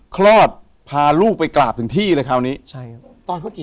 คลอดพาลูกไปกราบถึงที่เลยคราวนี้ใช่ครับตอนเขากี่